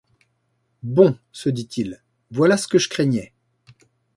Bon, se dit-il ! voilà ce que je craignais !